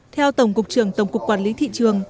theo tổng cục trưởng tổng cục quản lý thị trường